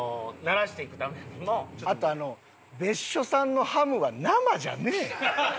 あとあの別所さんのハムは生じゃねえ！